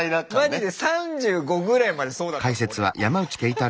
マジで３５ぐらいまでそうだったもんオレ。